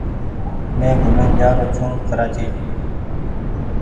مين گھومين جآ رو ڇون ڪرآچي ۔